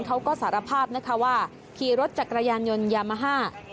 เขาก็สารภาพนะคะว่าขี่รถจักรยานยนต์ยามาฮ่า